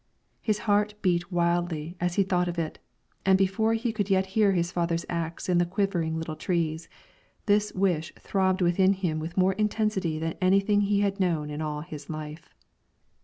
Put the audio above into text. His heart beat wildly as he thought of it, and before he could yet hear his father's axe in the quivering little trees, this wish throbbed within him with more intensity than anything he had known in all his life.